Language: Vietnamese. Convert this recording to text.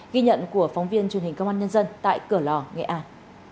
ghi nhận của phóng viên truyền hình công an nhân dân tại cửa lò nghệ an